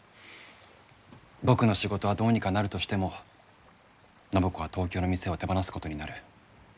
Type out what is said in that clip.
僕の仕事はどうにかなるとしても暢子は東京の店を手放すことになる。